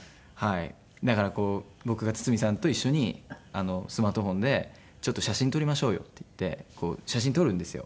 だから僕が堤さんと一緒にスマートフォンで「ちょっと写真撮りましょうよ」って言って写真撮るんですよ。